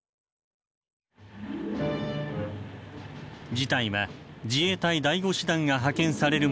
事態は自衛隊第五師団が派遣されるまでに発展。